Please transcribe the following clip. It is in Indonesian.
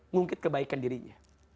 ngungkit kebaikan dirinya